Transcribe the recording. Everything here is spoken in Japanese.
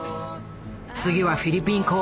次はフィリピン公演。